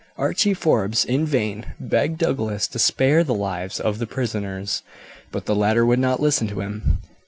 Archie Forbes in vain begged Douglas to spare the lives of the prisoners, but the latter would not listen to him.